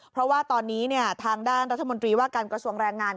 เพราะว่าตอนนี้ทางด้านรัฐมนตรีว่าการกระทรวงแรงงาน